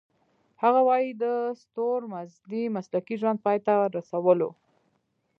هغه وايي د ستورمزلۍ مسلکي ژوند پای ته رسولو .